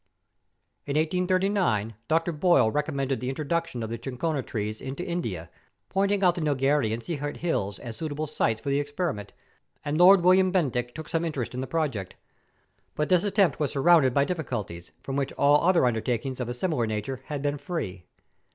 In 1839 Dr. Boyle recommended the introduc¬ tion of the chinchona plants into India, pointing out the Neilgherry and Silhet hills as suitable sites for the experiment, and Lord William Bentinck took some interest in the project; .... but this attempt was surrounded by difficulties, from which all other undertakings of a similar nature have been free.